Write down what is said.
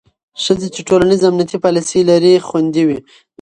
ښځې چې ټولنیز امنیتي پالیسۍ لري، خوندي وي.